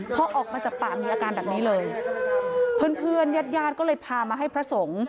พอออกมาจากป่ามีอาการแบบนี้เลยเพื่อนเพื่อนญาติญาติก็เลยพามาให้พระสงฆ์